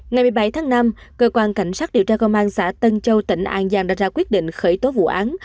ngày một mươi bảy tháng năm cơ quan cảnh sát điều tra công an xã tân châu tỉnh an giang đã ra quyết định khởi tố vụ án